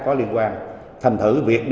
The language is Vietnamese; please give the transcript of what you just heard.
có liên quan thành thử việc điều đó